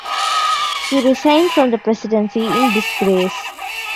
He resigned from the presidency in disgrace.